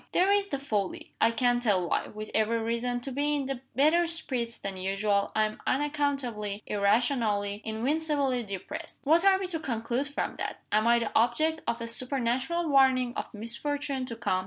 "There is the folly! I can't tell why. With every reason to be in better spirits than usual, I am unaccountably, irrationally, invincibly depressed. What are we to conclude from that? Am I the object of a supernatural warning of misfortune to come?